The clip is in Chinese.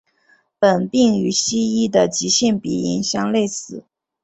本病与西医的急性鼻炎相类似。